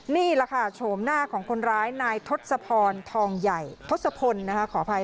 นี่แหละค่ะโฉมหน้าของคนร้ายนายทศพรทองใหญ่ทศพลนะคะขออภัย